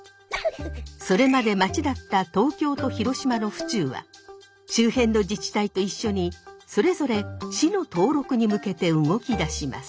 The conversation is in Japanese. それまで町だった東京と広島の府中は周辺の自治体と一緒にそれぞれ市の登録に向けて動き出します。